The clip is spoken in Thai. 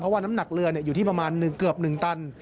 ว่าน้ำหนักเรืออยู่ที่ประมาณเกือบ๑ตัน